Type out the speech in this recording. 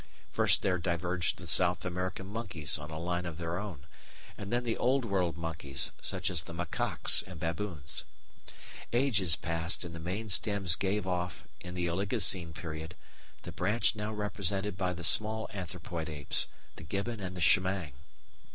First there diverged the South American monkeys on a line of their own, and then the Old World monkeys, such as the macaques and baboons. Ages passed and the main stems gave off (in the Oligocene period) the branch now represented by the small anthropoid apes the gibbon and the siamang.